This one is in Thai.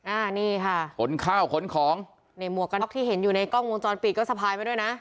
อ่านี่ค่ะขนข้าวขนของนี่หมวกกันน็อกที่เห็นอยู่ในกล้องวงจรปิดก็สะพายไปด้วยนะ